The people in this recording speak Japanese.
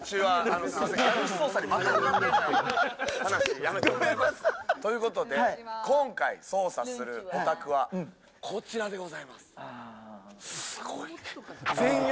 家主捜査に全く関係ない話やめてもらえます？ということで、今回捜査するお宅は、こちらでございます。